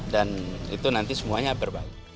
dan itu nanti semuanya berbalik